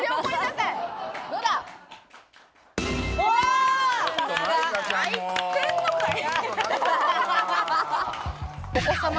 さすが。入ってんのかい！